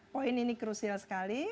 poin ini krusial sekali